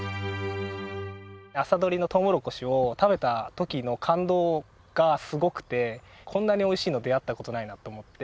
朝採りのとうもろこしを食べた時の感動がすごくてこんなにおいしいの出会った事ないなと思って。